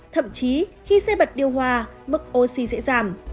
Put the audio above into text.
thậm chí khi xe bật điều hòa mức oxy sẽ giảm